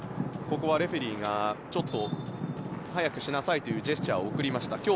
レフェリーが早くしなさいというジェスチャーを送りました。